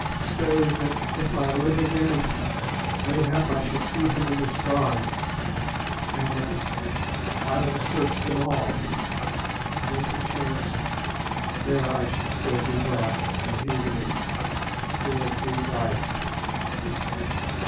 Say that if I live again, mayhap I shall see him in the Stars, and that—I will search them all, though perchance there I should still be black and he would—still be white.